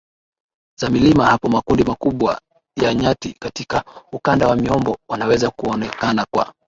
za milima Hapo makundi makubwa ya nyati katika ukanda wa miombo wanaweza kuonekanaKwa